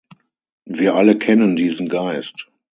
Wir alle kennen diesen Geist.